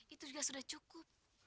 itu juga sudah cukup